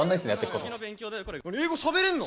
英語しゃべれんの？